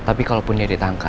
tapi kalau pun dia ditangkap